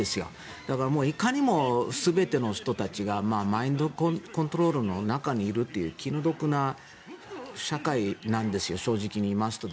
だからいかにも全ての人たちがマインドコントロールの中にいるという気の毒な社会なんですよ正直に言いますと。